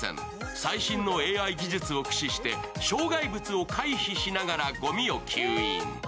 最新のＡＩ技術を駆使して、障害物を回避しながらごみを吸引。